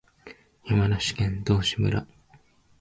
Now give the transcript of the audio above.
山梨県道志村